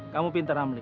kamu pintar amli